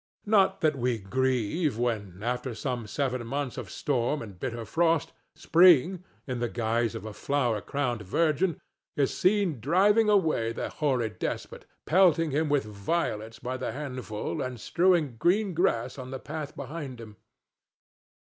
Not that we grieve when, after some seven months of storm and bitter frost, Spring, in the guise of a flower crowned virgin, is seen driving away the hoary despot, pelting him with violets by the handful and strewing green grass on the path behind him.